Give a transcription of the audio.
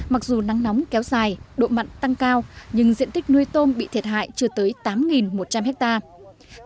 mặc dù nắng nóng kéo dài độ mặn tăng cao nhưng diện tích nuôi tôm bị thiệt hại chưa tới tám một trăm linh hectare